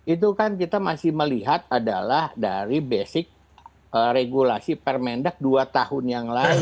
itu kan kita masih melihat adalah dari basic regulasi permendak dua tahun yang lalu